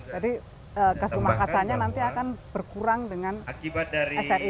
jadi gas rumah kacanya nanti akan berkurang dengan sri